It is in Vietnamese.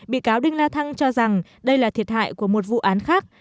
bị cáo đinh la thăng cho rằng đây là thiệt hại của một vụ án khác